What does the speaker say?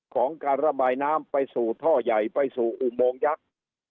ของการระบายน้ำไปสู่ท่อใหญ่ไปสู่อุโมงยักษ์